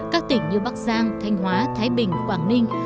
các tỉnh như bắc giang thanh hóa thái bình quảng ninh